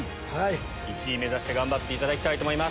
１位目指して頑張っていただきたいと思います。